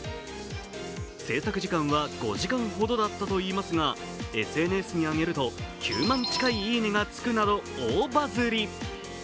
制作時間は５時間ほどだったといいますがＳＮＳに上げると、９万近いいいね！がつくなど、大バズり。